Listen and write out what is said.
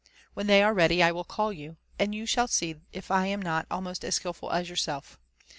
When they are ready, I will call you, ^nd you shall see if I am not almost as skilful as yourself